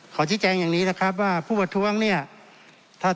ถึงย่าจริงก็ตามแต่ว่าเก่าหาข้อมีความวิธิภาคศาชัดเรียบร้อยนะครับ